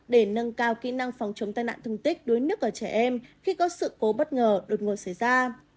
để nâng cao kỹ năng phòng chống tai nạn thương tích đuối nước ở trẻ em khi có sự cố bất ngờ đột ngột xảy ra